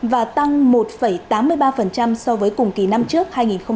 và tăng một tám mươi ba so với cùng kỳ năm trước hai nghìn hai mươi ba